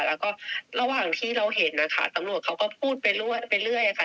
แล้วก็ระหว่างที่เราเห็นนะคะตำรวจเขาก็พูดไปเรื่อยค่ะ